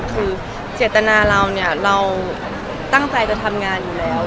ก็คือเจตนาเราตั้งใจจะทำงานอยู่แล้ว